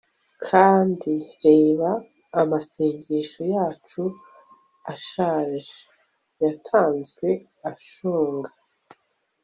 Kandi reba amasengesho yacu ashaje yatanzwe ashonga